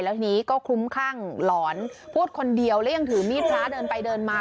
แล้วทีนี้ก็คลุ้มคลั่งหลอนพูดคนเดียวแล้วยังถือมีดพระเดินไปเดินมา